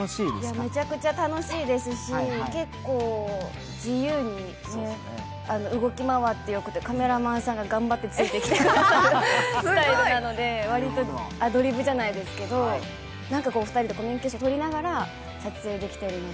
めちゃくちゃ楽しいですし、結構自由に動き回ってよくて、カメラマンさんが頑張ってついてきてくれるスタイルなのでわりとアドリブじゃないですけど２人でコミュニケーションとりながら撮影できているので。